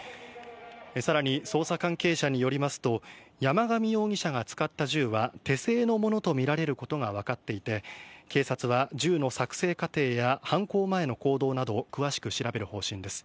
さらに、捜査関係者によりますと、山上容疑者が使った銃は、手製のものと見られることが分かっていて、警察は、銃の作成過程や犯行前の行動などを詳しく調べる方針です。